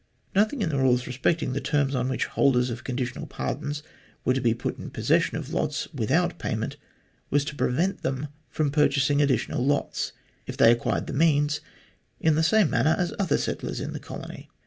Nothing in the rules respecting the terms on which holders of conditional pardons were to be put in possession of lots with out payment was to prevent them from purchasing additional lots, if they acquired the means, in the same manner as other settlers in the colony.